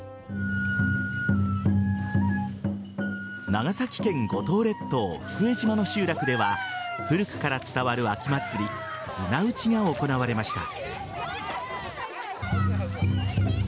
長崎県五島列島福江島の集落では古くから伝わる秋祭り砂打ちが行われました。